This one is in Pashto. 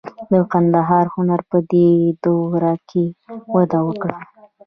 د ګندهارا هنر په دې دوره کې وده وکړه.